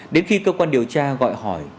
đến khi cơ quan điều tra gọi hỏi